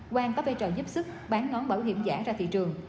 quang có vai trò giúp sức bán nón bảo hiểm giả ra thị trường